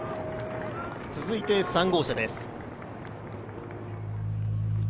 続いて３号車です。